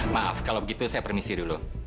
maaf kalau begitu saya permisi dulu